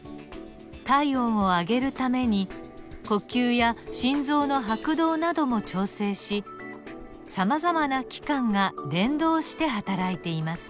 体温を上げるために呼吸や心臓の拍動なども調整しさまざまな器官が連動してはたらいています。